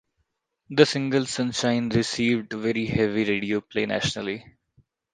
The single "Sunshine" received very heavy radio play nationally.